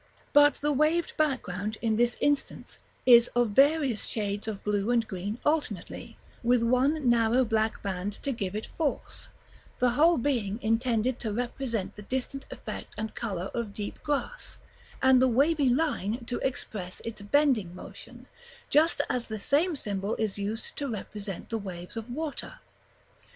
But the waved background in this instance, is of various shades of blue and green alternately, with one narrow black band to give it force; the whole being intended to represent the distant effect and color of deep grass, and the wavy line to express its bending motion, just as the same symbol is used to represent the waves of water.